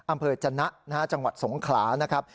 อำเภอจนะจังหวัดสงขลานะครับ